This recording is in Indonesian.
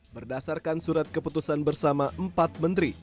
berdasarkan surat keputusan bersama empat menteri